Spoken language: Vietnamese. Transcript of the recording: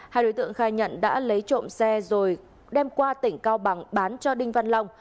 hai đối tượng khai nhận đã lấy trộm xe rồi đem qua tỉnh cao bằng bán cho đinh văn long